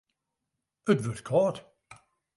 It wurdt kâld.